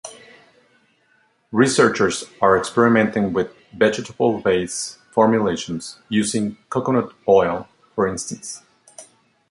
Researchers are experimenting with vegetable-based formulations, using coconut oil for instance.